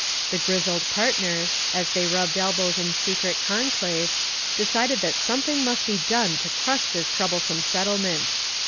The grizzled partners, as they rubbed elbows in secret conclave, decided that something must be done to crush this troublesome settlement.